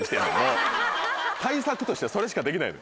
対策としてはそれしかできない。